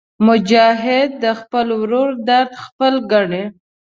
مجاهد د خپل ورور درد خپل ګڼي.